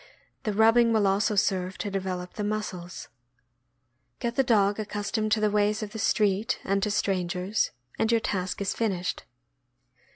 The rubbing will also serve to develop the muscles. Get the dog accustomed to the ways of the street and to strangers, and your task is finished. THE ITALIAN GREYHOUND.